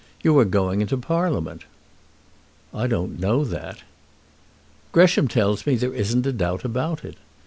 You are going into Parliament." "I don't know that." "Gresham tells me there isn't a doubt about it.